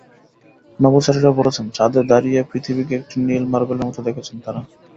নভোচারীরাও বলেছেন, চাঁদে দাঁড়িয়ে পৃথিবীকে একটি নীল মার্বেলের মতো দেখেছেন তাঁরা।